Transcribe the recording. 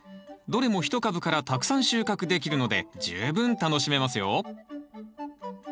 どれも１株からたくさん収穫できるので十分楽しめますよ。